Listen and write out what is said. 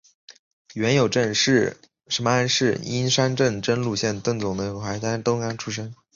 阮有政是乂安省英山府真禄县邓舍总东海社古丹村出生。